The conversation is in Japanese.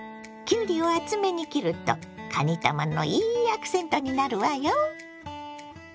きゅうりを厚めに切るとかにたまのいいアクセントになるわよ。